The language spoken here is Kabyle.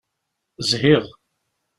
Zhiɣ.